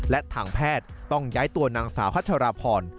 และทางแพทย์ต้องย้ายตัวนางสาวพัชราพร